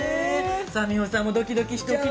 美穂さんもドキドキして。